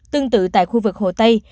tương tự tại khu vực hồ tây